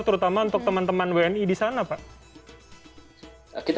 terutama untuk teman teman wni di sana pak